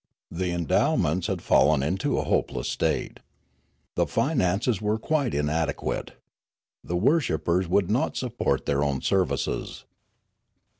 The endowments had fallen into a hopeless state. The finances were quite inadequate. The worshippers would not support their own services.